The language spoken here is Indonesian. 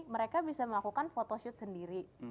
mereka bisa melakukan photoshoot sendiri